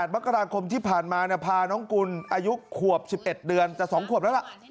มกราคมที่ผ่านมาพาน้องกุลอายุขวบ๑๑เดือนแต่๒ขวบแล้วล่ะ